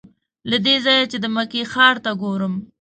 له دې ځایه چې د مکې ښار ته ګورم.